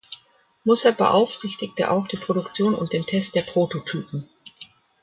Musser beaufsichtigte auch die Produktion und den Test der Prototypen.